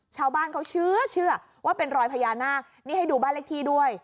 ชาวบ้านเขาเชื่อว่าเป็นรอยพญานาคนี่ให้ดูบ้านเลขที่ด้วย